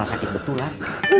kepala sakit betulan